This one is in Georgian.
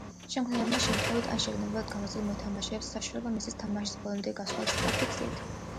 შემქმნელებმა შემთხვევით ან შეგნებულად გამოცდილ მოთამაშეებს საშუალება მისცეს თამაშის ბოლომდე გასვლა სწრაფი გზით.